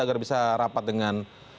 agar bisa rapat dengan